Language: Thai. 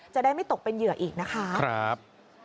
จะได้ไม่ตกเป็นเหยื่ออีกนะคะครับใช่ครับ